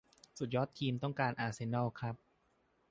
ส่วนยอดทีมต้องอาร์เซนอลครับ